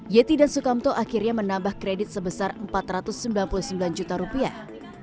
yeti dan sukamto akhirnya menambah kredit sebesar empat ratus sembilan puluh sembilan juta rupiah